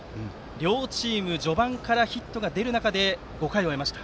両チーム序盤からヒットが出る中で５回を終えました。